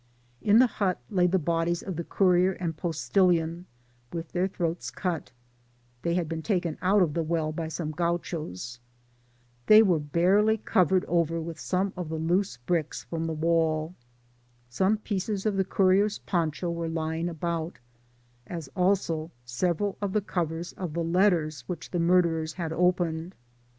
In the hut lay the bodies of the courier aa4 postilion with their throats cut *— they wer^ barely covered oyer with some of the loose bricks from th^ wall* Some pieces of the courier^s poncho were lying about, as also several of the covers of the letters which the murderers had opened.